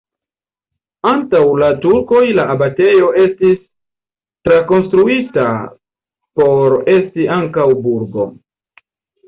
Antaŭ la turkoj la abatejo estis trakonstruita por esti ankaŭ burgo.